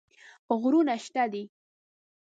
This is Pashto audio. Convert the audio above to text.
غرونه شته دي.